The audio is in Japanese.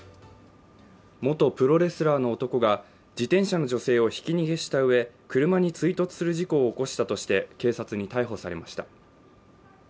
元プロレスラーの男が自転車の女性をひき逃げしたうえ車に追突する事故を起こしたとして警察に逮捕されました